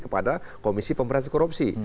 kepada komisi pemerintah korupsi